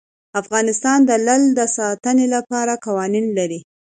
افغانستان د لعل د ساتنې لپاره قوانین لري.